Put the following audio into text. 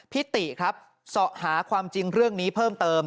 ติครับเสาะหาความจริงเรื่องนี้เพิ่มเติม